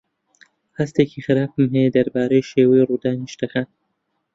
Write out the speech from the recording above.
هەستێکی خراپم هەیە دەربارەی شێوەی ڕوودانی شتەکان.